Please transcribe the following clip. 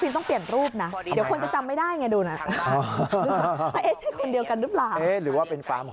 ที่ภูมิสินสบูรณ์นี้ฉันสังเกตป้าย